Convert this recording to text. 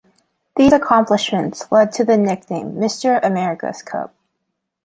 These accomplishments led to the nickname "Mister America's Cup".